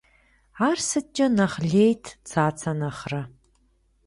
Ар сыткӏэ нэхъ лейт Цацэ нэхърэ?